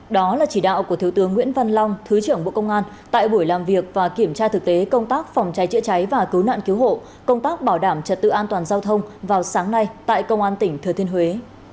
đó là chỉ đạo của thiếu tướng nguyễn văn long thứ trưởng bộ công an tại buổi làm việc và kiểm tra thực tế công tác phòng cháy chữa cháy và cứu nạn cứu hộ công tác bảo đảm trật tự an toàn giao thông vào sáng nay tại công an tỉnh thừa thiên huế